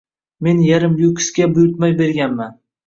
Men yarimlyuksga buyurtma berganman.